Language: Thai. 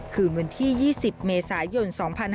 คืนวันที่๒๐เมษายน๒๕๕๙